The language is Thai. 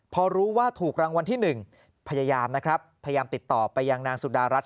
พอรู้ว่าถูกรางวัลที่๑พยายามติดต่อไปยังนางสุดารัส